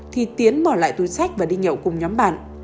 thì tiến bỏ lại túi sách và đi nhậu cùng nhóm bạn